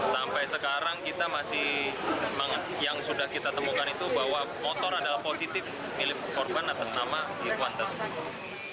sampai sekarang kita masih yang sudah kita temukan itu bahwa motor adalah positif milik korban atas nama ikwan tersebut